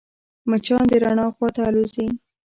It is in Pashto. مچان د رڼا خواته الوزي